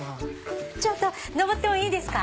ちょっと上ってもいいですか？